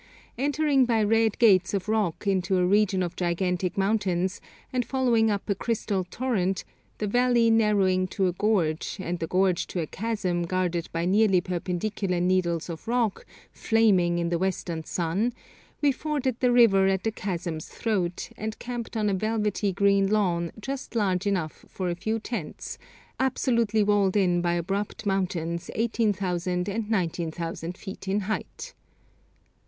Entering by red gates of rock into a region of gigantic mountains, and following up a crystal torrent, the valley narrowing to a gorge, and the gorge to a chasm guarded by nearly perpendicular needles of rock flaming in the westering sun, we forded the river at the chasm's throat, and camped on a velvety green lawn just large enough for a few tents, absolutely walled in by abrupt mountains 18,000 and 19,000 feet in height.